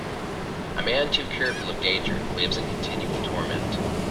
A man too careful of danger lives in continual torment.